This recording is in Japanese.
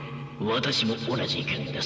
私も同じ意見です。